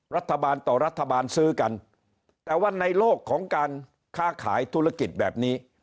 รัฐบาลต่อรัฐบาลซื้อกันแต่ว่าในโลกของการค้าขายธุรกิจแบบนี้